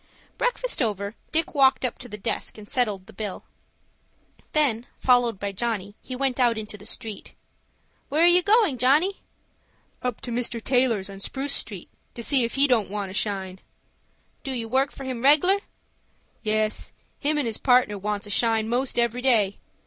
Breakfast over, Dick walked up to the desk, and settled the bill. Then, followed by Johnny, he went out into the street. "Where are you going, Johnny?" "Up to Mr. Taylor's, on Spruce Street, to see if he don't want a shine." "Do you work for him reg'lar?" "Yes. Him and his partner wants a shine most every day.